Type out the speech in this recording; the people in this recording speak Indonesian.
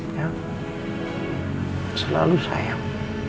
ya selalu sayang